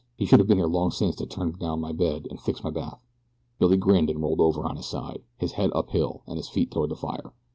He should have been here long since to turn down my bed and fix my bath." Billy grinned and rolled over on his side, his head uphill and his feet toward the fire.